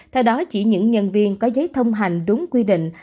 theo đó chỉ những nhân viên có giấy thông hành đúng quy định